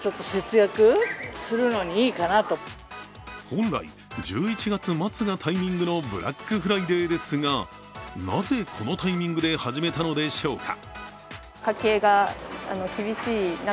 本来、１１月末がタイミングのブラックフライデーですが、なぜこのタイミングで始めたのでしょうか。